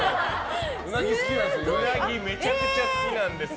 うなぎめちゃくちゃ好きなんですよ。